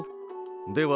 では